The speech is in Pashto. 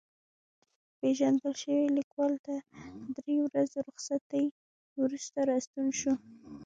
پېژندل شوی لیکوال تر درې ورځو رخصتۍ وروسته راستون شو.